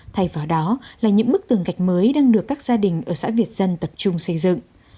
thay vào đó là những bức tường gạch mới đang được các gia đình ở xã việt dân tập trung xây dựng